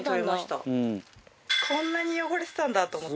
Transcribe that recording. こんなに汚れてたんだと思って。